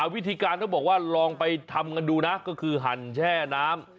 วิธีการต้องบอกว่าลองไปทำกันดูนะก็คือหั่นแช่น้ำ